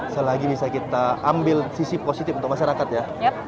selagi bisa kita ambil sisi positif untuk masyarakat ya